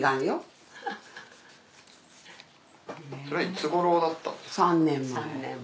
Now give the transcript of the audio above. それいつ頃だったんですか？